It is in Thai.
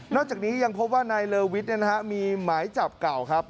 จากนี้ยังพบว่านายเลอวิทย์มีหมายจับเก่าครับ